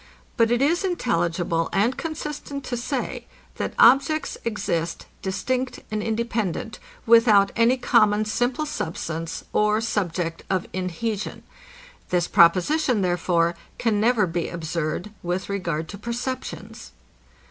But it is intelligible and consistent to say, that objects exist distinct and independent, without any common simple substance or subject of inhesion. This proposition, therefore, can never be absurd with regard to perceptions.